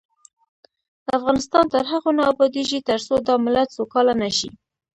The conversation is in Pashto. افغانستان تر هغو نه ابادیږي، ترڅو دا ملت سوکاله نشي.